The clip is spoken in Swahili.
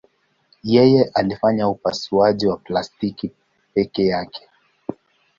Yeye alifanya upasuaji wa plastiki peke yake.